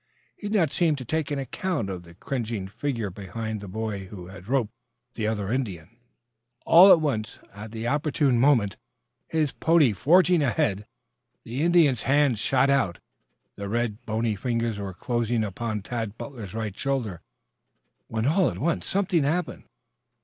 He did not seem to take into account the cringing figure behind the boy who had roped the other Indian. All at once, at the opportune moment, his pony forging ahead, the Indian's hand shot out. The red, bony fingers were closing upon Tad Butler's right shoulder, when all at once something happened.